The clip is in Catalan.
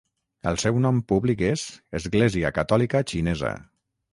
El seu nom públic és Església Catòlica Xinesa.